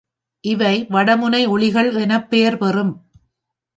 இவை வடமுனை ஒளிகள் எனப் பெயர் பெறும்.